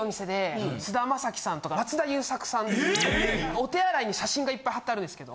お手洗いに写真がいっぱい貼ってあるんですけど。